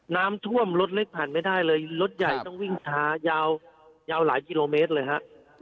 น้ำท่วมรถเล็กผ่านไม่ได้เลยรถใหญ่ต้องวิ่งช้ายาวหลายกิโลเมตรเลยฮะ